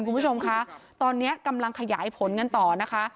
คุณผู้ชมคะตอนนี้กำลังขยายผลกันต่อนะคะ